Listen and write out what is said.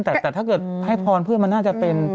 แต่ถ้าเกิดให้พรเพื่อนมันน่าจะเป็น